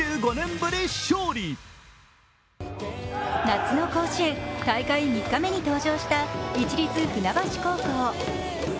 夏の甲子園大会３日目に登場した、市立船橋高校。